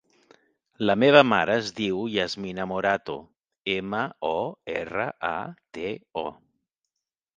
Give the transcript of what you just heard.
La meva mare es diu Yasmina Morato: ema, o, erra, a, te, o.